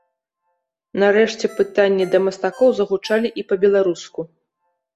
Нарэшце пытанні да мастакоў загучалі і па-беларуску.